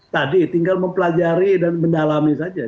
tadi tinggal mempelajari dan mendalami saja